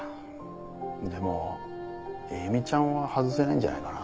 でも詠美ちゃんは外せないんじゃないかな。